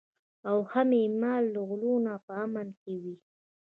او هم یې مال له غلو نه په امن کې وي.